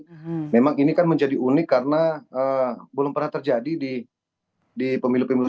jadi memang ini kan menjadi unik karena belum pernah terjadi di pemilu pemilu